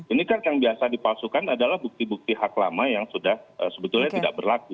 ini kan yang biasa dipalsukan adalah bukti bukti hak lama yang sudah sebetulnya tidak berlaku